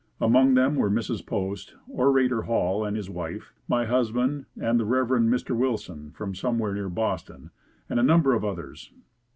Among them were Mrs. Post, Orator Hall and his wife, my husband and the Rev. Mr. Wilson from somewhere near Boston and a number of others.